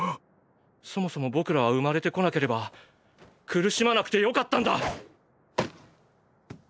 そもそも僕らは生まれてこなければ苦しまなくてよかったんだ！